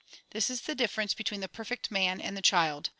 This is the difference between the perfect man and the child.